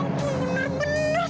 kau tahu apa itu